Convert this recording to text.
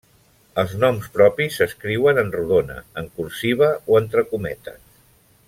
Els noms propis s'escriuen en rodona, en cursiva o entre cometes.